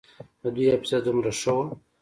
د دوى حافظه دومره ښه وه.